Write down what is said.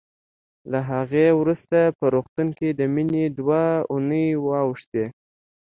له هغې وروسته په روغتون کې د مينې دوه اوونۍ واوښتې